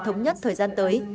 thống nhất thời gian tới